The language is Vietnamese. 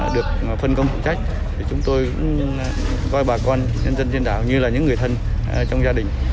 được phân công phụ trách chúng tôi cũng coi bà con nhân dân trên đảo như là những người thân trong gia đình